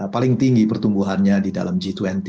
paling tinggi pertumbuhannya di dalam g dua puluh